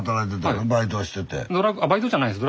あバイトじゃないです。